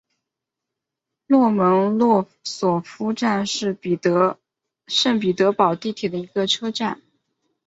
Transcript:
洛蒙诺索夫站是圣彼得堡地铁的一个车站。